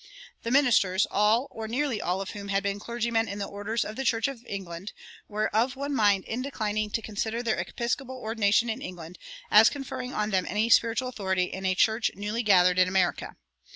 The ministers, all or nearly all of whom had been clergymen in the orders of the Church of England, were of one mind in declining to consider their episcopal ordination in England as conferring on them any spiritual authority in a church newly gathered in America.